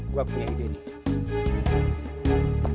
gua punya ide nih